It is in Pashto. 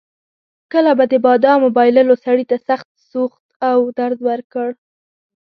کله چې د بادامو بایللو سړي ته سخت سوخت او درد ورکړ.